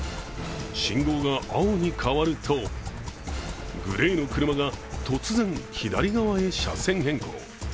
信号が青に変わると、グレーの車が突然、左側へ車線変更。